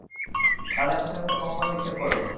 তাদের চোখে মুখে কঙ্কর নিক্ষেপ করল।